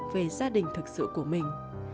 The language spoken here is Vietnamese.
về gia đình thực sự của mình